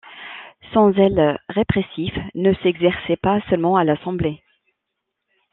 Son zèle répressif ne s'exerçait pas seulement à l'Assemblée.